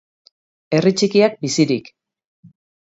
Herri txikiak bizirik!